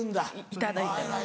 いただいてます。